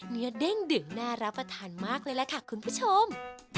เด้งดึงน่ารับประทานมากเลยล่ะค่ะคุณผู้ชม